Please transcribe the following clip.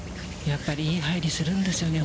やっぱりいい入りするんですよね。